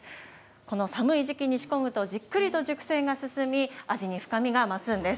この寒い時期に仕込むと、じっくりと熟成が進み、味に深みが増すんです。